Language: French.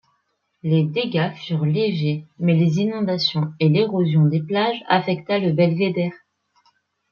Les dégâts furent légers mais les inondations et l'érosion des plages affecta le belvédère.